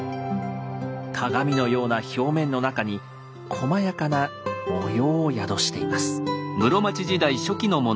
鏡のような表面の中にこまやかな模様を宿しています。